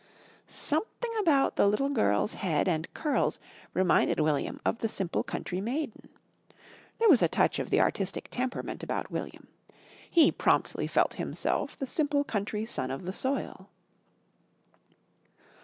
Something about the little girl's head and curls reminded William of the simple country maiden. There was a touch of the artistic temperament about William. He promptly felt himself the simple country son of the soil.